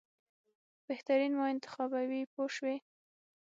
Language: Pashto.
بهترین ما انتخابوي پوه شوې!.